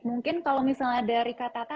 mungkin kalau misalnya dari kak tata